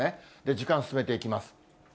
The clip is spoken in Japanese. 時間進めていきます。